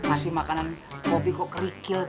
ngasih makanan popi kok kerikil tuh